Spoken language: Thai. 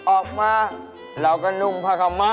ออกมาเราก็นุ่มภาคมะ